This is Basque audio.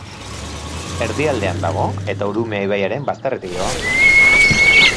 Erdialdean dago eta Urumea ibaiaren bazterretik doa.